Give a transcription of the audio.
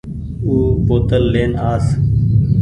او بوتل لين آس